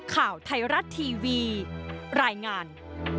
ข่าวไทยรัฐทีวีรายงาน